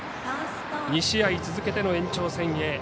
２試合続けての延長戦へ。